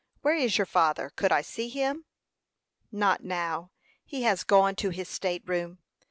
Where Is your father? Could I see him?" "Not now; he has gone to his state room.